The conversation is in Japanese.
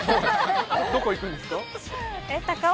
どこ行くんですか？